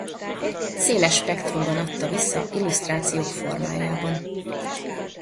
Széles spektrumban adta vissza illusztrációk formájában.